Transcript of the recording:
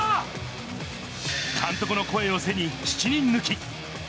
監督の声を背に、７人抜き。